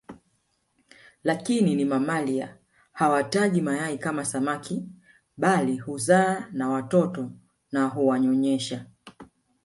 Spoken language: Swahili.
Lakini ni mamalia hawatagi mayai kama samaki bali huzaa na watoto na huwanyonyesha